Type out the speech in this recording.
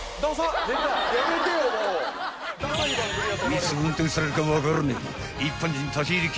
［いつ運転されるか分からねえ］